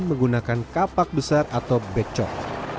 menggunakan kapak besar atau becok